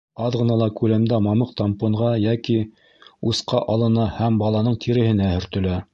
Аҙ ғына күләмдә мамыҡ тампонға йәки усҡа алына һәм баланың тиреһенә һөртөлә.